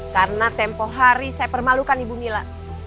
karena tempoh hari saya permalukan nih bu mila